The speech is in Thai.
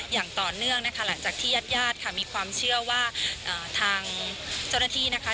อย่างต่อเนื่องนะคะหลังจากที่ญาติญาติค่ะมีความเชื่อว่าทางเจ้าหน้าที่นะคะ